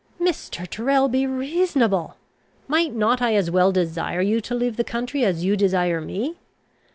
"Mr. Tyrrel, be reasonable! Might not I as well desire you to leave the county, as you desire me?